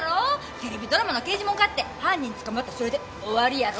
テレビドラマの刑事物かて犯人捕まってそれで終わりやろ。